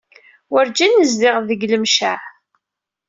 Werǧin nezdiɣ deg Lemceɛ.